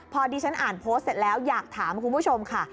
พอดีฉันอ่านโพสต์เสร็จแล้วอยากถามคุณผู้ชมค่ะ